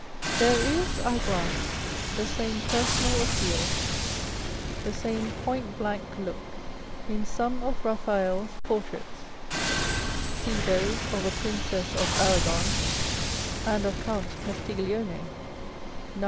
There is, I grant, the same personal appeal, the same point blank look in some of Raphael's portraits (see those of a Princess of Arragon and of Count Castiglione, Nos.